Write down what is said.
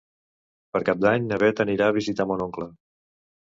Per Cap d'Any na Beth anirà a visitar mon oncle.